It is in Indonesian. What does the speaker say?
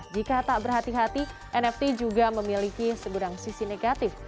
jika tak berhati hati nft juga memiliki segudang sisi negatif